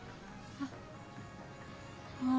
あっ